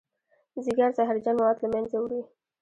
ځیګر زهرجن مواد له منځه وړي